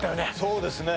そうですね